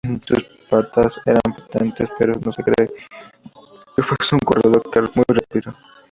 Sus patas eran potentes, pero no se cree que fuese un corredor muy rápido.